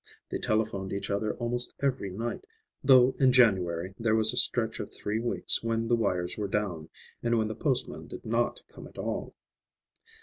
They telephoned each other almost every night, though in January there was a stretch of three weeks when the wires were down, and when the postman did not come at all.